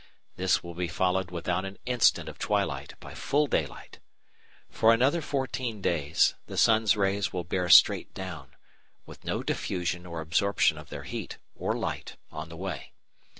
This will be followed without an instant of twilight by full daylight. For another fourteen days the sun's rays will bear straight down, with no diffusion or absorption of their heat, or light, on the way.